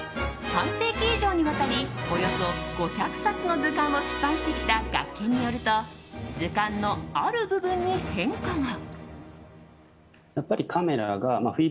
半世紀以上にわたりおよそ５００冊の図鑑を出版してきた学研によると図鑑のある部分に変化が。